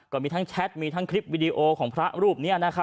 ก็มีทั้งแชทมีทั้งคลิปวิดีโอของพระรูปนี้